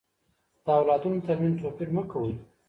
د اولادونو تر منځ توپير مه کوئ.